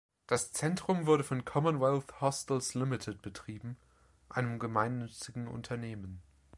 Das Zentrum wurde von Commonwealth Hostels Limited betrieben, einem gemeinnützigen Unternehmen.